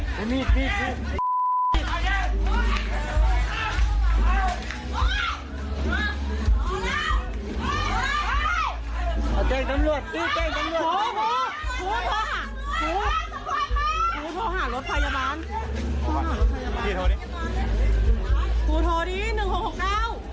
พยาบาลพยาบาลพี่โทษดีโทษดีหนึ่งหกหกเก้า